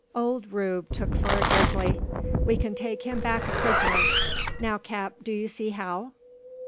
Ole Rube tuk for a grizzly! We kin take him back a pris'ner. Now, cap, do 'ee see how?"